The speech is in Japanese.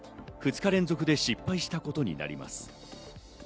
２日連続で失敗したことになります。